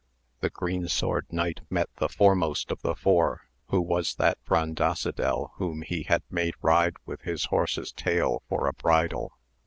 The Green Sword Knight met the foremost of the four, who was that Branda sidel whom he had made ride with his horse's tail for a bridle.